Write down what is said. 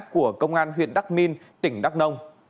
của công an huyện đắc minh tỉnh đắc nông